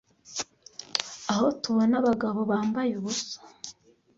aho tubona abagabo bambaye ubusa